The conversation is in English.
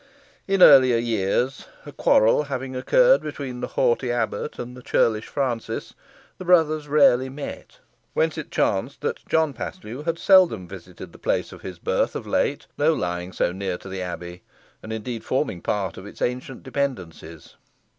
In earlier years, a quarrel having occurred between the haughty abbot and the churlish Francis, the brothers rarely met, whence it chanced that John Paslew had seldom visited the place of his birth of late, though lying so near to the abbey, and, indeed, forming part of its ancient dependencies.